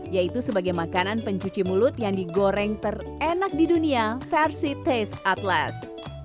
yaitu sebagai makanan pencuci mulut yang digoreng terenak di dunia versi taste atlas